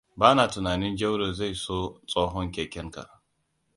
Bana tunanin Jauro zai so tsohon keken ka.